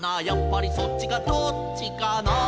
「やっぱりそっちかどっちかな」